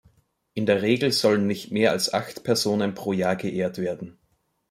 In der Regel sollen nicht mehr als acht Personen pro Jahr geehrt werden.